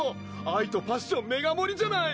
愛とパッションメガ盛りじゃない！